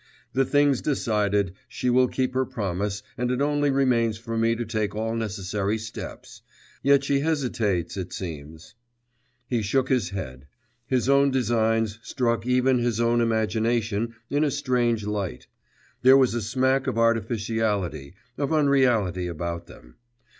'The thing's decided. She will keep her promise, and it only remains for me to take all necessary steps.... Yet she hesitates, it seems.'... He shook his head. His own designs struck even his own imagination in a strange light; there was a smack of artificiality, of unreality about them.